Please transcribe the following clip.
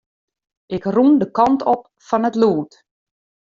Ik rûn de kant op fan it lûd.